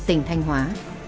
tỉnh thanh hóa